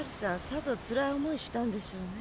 さぞつらい思いしたんでしょうね。